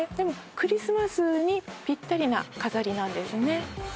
クリスマスにぴったりな飾りなんですね